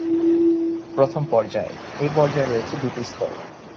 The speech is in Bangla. প্রথম পর্যায়: এ পর্যায়ে রয়েছে দু'টি স্তর।